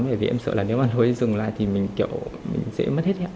bởi vì em sợ là nếu mà nó dừng lại thì mình kiểu sẽ mất hết hẹn